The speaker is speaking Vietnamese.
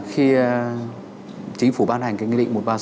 khi chính phủ ban hành cái nghị định một trăm ba mươi sáu